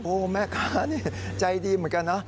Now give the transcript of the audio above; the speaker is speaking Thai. โอ้แม่คะใจดีเหมือนกันนะ